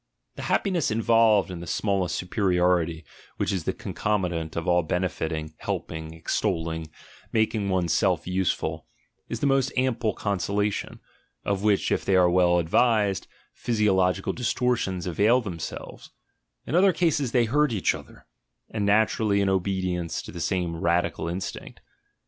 The happiness involved in the "smallest superiority" which is the con comitant of all benefiting, helping, extolling, making one's self useful, is the most ample consolation, of which, if they are well advised, physiological distortions avail them selves: in other cases they hurt each other, and naturally in obedience to the same radical instinct.